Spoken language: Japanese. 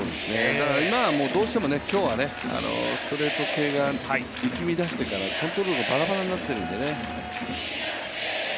今はどうしても今日はストレート系が力みだしてからコントロールがバラバラになっているのでね。